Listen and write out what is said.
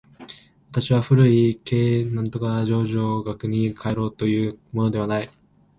私は古い形而上学に還ろうというのではない。